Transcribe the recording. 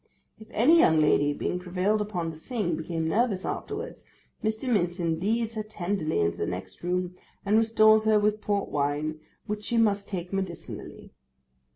If any young lady, being prevailed upon to sing, become nervous afterwards, Mr. Mincin leads her tenderly into the next room, and restores her with port wine, which she must take medicinally.